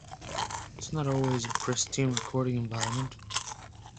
It's not always a pristine recording environment.